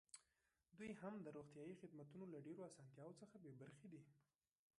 دوی هم د روغتیايي خدمتونو له ډېرو اسانتیاوو څخه بې برخې دي.